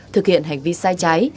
thực hiện hành vi sai trái